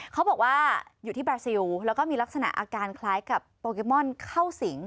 เขาบอกว่าอยู่ที่บราซิลแล้วก็มีลักษณะอาการคล้ายกับโปเกมอนเข้าสิง